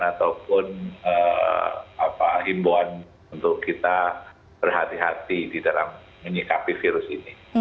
ataupun himboan untuk kita berhati hati di dalam menyikapi virus ini